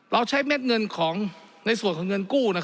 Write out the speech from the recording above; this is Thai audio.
เราใช้เม็ดเงินของในส่วนของเงินกู้